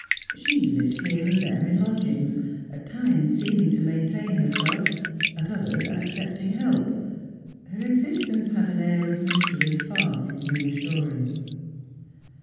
She lived here and there in lodgings, at times seeming to maintain herself, at others accepting help; her existence had an air of mystery far from reassuring.